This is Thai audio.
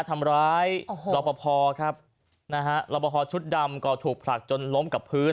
ทำร้ายรอปภครับนะฮะรอปภชุดดำก็ถูกผลักจนล้มกับพื้น